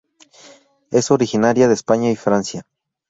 Es originaria de España y Francia.